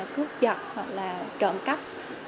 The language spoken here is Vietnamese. cướp giật hoặc là trộn cắp